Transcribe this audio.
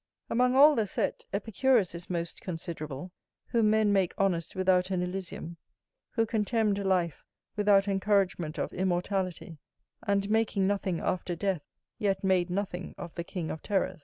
Among all the set, Epicurus is most considerable, whom men make honest without an Elysium, who contemned life without encouragement of immortality, and making nothing after death, yet made nothing of the king of terrors.